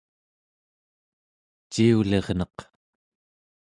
ciulirneq